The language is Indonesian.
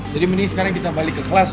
jadi mending sekarang kita balik ke kelas